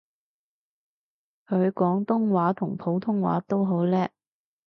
佢廣東話同普通話都好叻